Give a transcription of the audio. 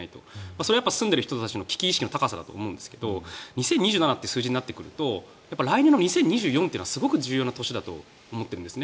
それは住んでいる人たちの危機意識の高さだと思うんですが２０２７という数字になると来年の２０２４というすごく重要な年だと思ってるんです。